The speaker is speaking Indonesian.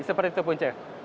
seperti itu punca